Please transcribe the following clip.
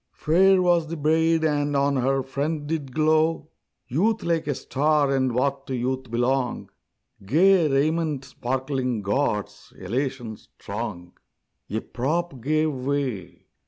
Fair was the bride, and on her front did glow Youth like a star; and what to youth belong, Gay raiment sparkling gauds, elation strong. A prop gave way!